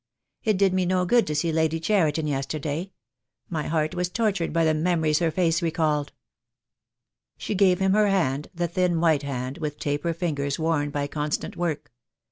It did me no good to see Lady Cheriton yesterday. My heart was tortured by the memories her face recalled." She gave him her hand, the thin white hand, with taper fingers worn by constant work.